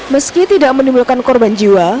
meski tidak menimbulkan korban jiwa